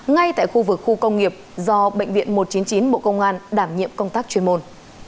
ngay tại khu vực khu công nghiệp do bệnh viện một trăm chín mươi chín bộ công an đảm nhiệm công tác chuyên môn